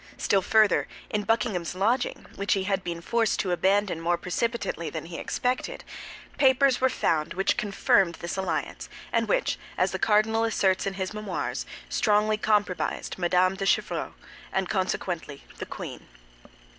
Still further, in Buckingham's lodging, which he had been forced to abandon more precipitately than he expected, papers were found which confirmed this alliance and which, as the cardinal asserts in his memoirs, strongly compromised Mme. de Chevreuse and consequently the queen.